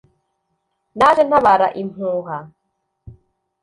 naje ntabara impuha